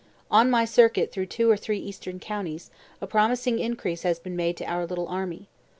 In my circuit through two or three eastern counties, a promising increase has been made to our little army.